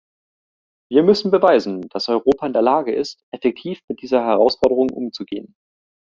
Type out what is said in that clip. Wir müssen beweisen, dass Europa in der Lage ist, effektiv mit dieser Herausforderung umzugehen.